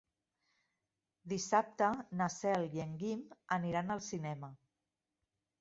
Dissabte na Cel i en Guim aniran al cinema.